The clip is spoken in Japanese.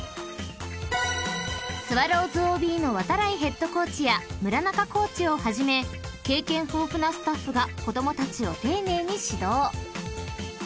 ［スワローズＯＢの度会ヘッドコーチや村中コーチをはじめ経験豊富なスタッフが子供たちを丁寧に指導］